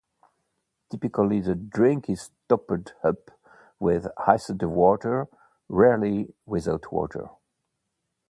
Typically the drink is topped up with iced water, rarely without water.